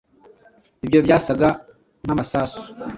Ibyo byasaga nkamasasu.